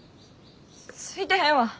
すすいてへんわ！